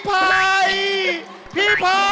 พี่